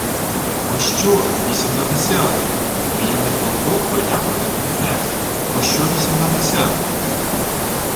— Пощо... вісімнадесять? — неприємний холодок пойняв Великого князя. — Пощо вісімнадесять?..